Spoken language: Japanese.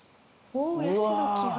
おおヤシの木が。え？